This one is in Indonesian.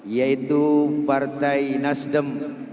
yaitu partai nasdem